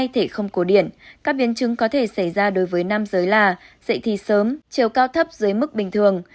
hai thể không cố điển các biến chứng có thể xảy ra đối với nam giới là dậy thi sớm trều cao thấp dưới mức bình thường